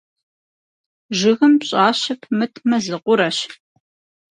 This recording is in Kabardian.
Жыгым пщӀащэ пымытмэ, зы къурэщ.